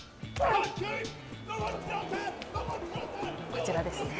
こちらですね。